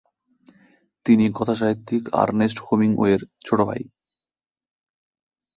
তিনি কথাসাহিত্যিক আর্নেস্ট হেমিংওয়ের ছোট ভাই।